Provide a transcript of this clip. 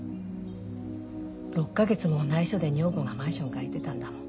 ６か月も内緒で女房がマンション借りてたんだもん